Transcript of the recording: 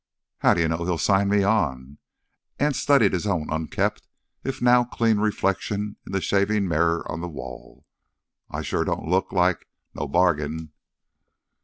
"How d'you know he'll sign me on?" Anse studied his own unkempt if now clean reflection in the shaving mirror on the wall. "I sure don't look like no bargain."